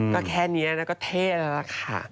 ก็แค่นี้นะก็เท่แล้วละค่ะ